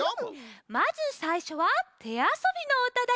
まずさいしょはてあそびのうただよ。